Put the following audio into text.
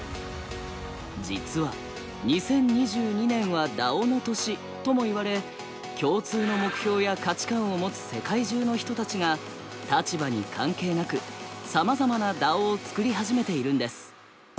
実は「２０２２年はＤＡＯの年」ともいわれ共通の目標や価値観を持つ世界中の人たちが立場に関係なくさまざまなＤＡＯを作り始めているんです。